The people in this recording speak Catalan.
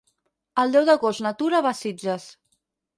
El deu d'agost na Tura va a Sitges.